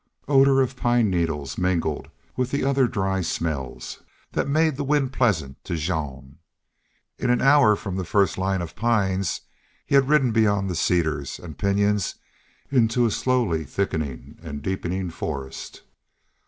Odor of pine needles mingled with the other dry smells that made the wind pleasant to Jean. In an hour from the first line of pines he had ridden beyond the cedars and pinyons into a slowly thickening and deepening forest.